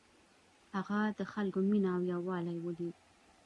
هغه د خلکو مینه او یووالی ولید.